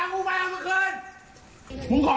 ขอบคุณพระเจ้า